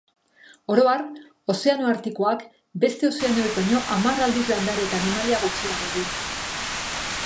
Oro har, Ozeano Artikoak beste ozeanoek baino hamar aldiz landare eta animalia gutxiago du.